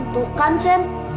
tuh kan sen